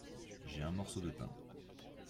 J'ai un morceau de pain.